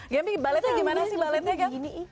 gempy baletnya gimana sih baletnya gem